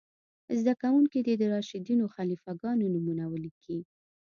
زده کوونکي دې د راشدینو خلیفه ګانو نومونه ولیکئ.